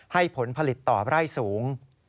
ให้ผลผลิตต่อไร้สูง